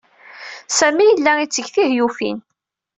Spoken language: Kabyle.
Sami yella yetteg tihyufin.